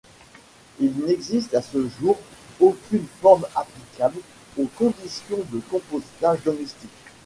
Il n'existe à ce jour aucune norme applicable aux conditions de compostage domestique.